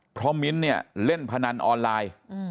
เพราะมิ้นท์เนี่ยเล่นพนันออนไลน์